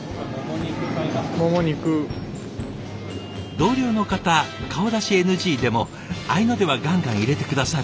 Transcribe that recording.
同僚の方顔出しＮＧでも合いの手はガンガン入れて下さるタイプ。